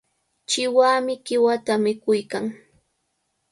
Chiwami qiwata mikuykan.